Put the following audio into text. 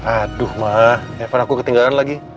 aduh mah evan aku ketinggalan lagi